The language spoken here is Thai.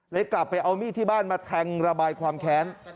กลับไปเอามีดที่บ้านมาแทงระบายความแค้น